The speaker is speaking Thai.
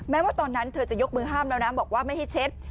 ว่าตอนนั้นเธอจะยกมือห้ามแล้วนะบอกว่าไม่ให้เช็ด